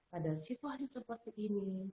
pada situasi seperti ini